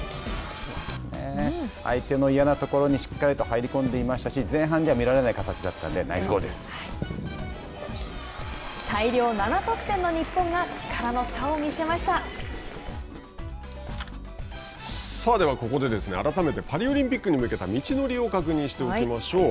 相手の嫌な所にしっかりと入り込んでいましたし前半では見られない形だったので大量７得点の日本がでは、ここで改めてパリオリンピックに向けた道のりを確認しておきましょう。